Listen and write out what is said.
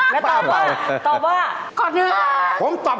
เฮ้อตอบมาแล้วนะคะ